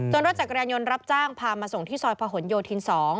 รถจักรยานยนต์รับจ้างพามาส่งที่ซอยพะหนโยธิน๒